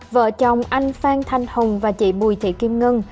vợ chồng anh phan thanh hồng và chị bùi thị kim ngân